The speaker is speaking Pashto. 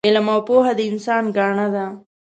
علم او پوه د انسان ګاڼه ده